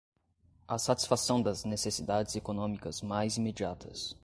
a satisfação das necessidades econômicas mais imediatas